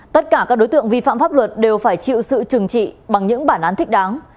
tất cả các đối tượng vi phạm pháp luật đều phải chịu sự trừng trị bằng những bản án thích đáng